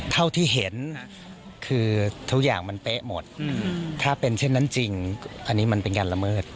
เท่าที่เห็นคือทุกอย่างมันเป๊ะหมดถ้าเป็นเช่นนั้นจริงอันนี้มันเป็นการละเมิด